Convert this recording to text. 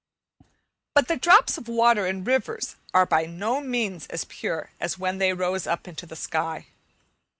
But the drops of water in rivers are by no means as pure as when they rose up into the sky.